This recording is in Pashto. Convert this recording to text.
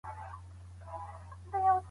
هېواد اباد کړو.